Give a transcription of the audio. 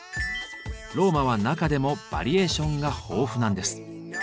ローマは中でもバリエーションが豊富なんです。